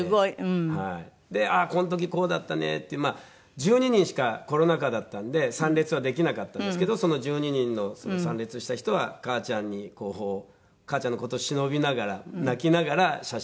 １２人しかコロナ禍だったんで参列はできなかったんですけどその１２人の参列した人は母ちゃんに母ちゃんの事をしのびながら泣きながら写真入れてました。